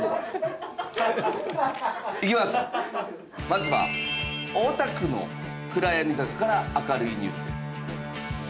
まずは大田区の闇坂から明るいニュースです。